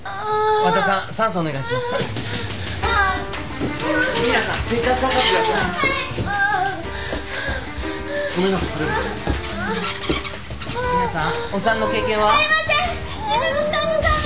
和田さん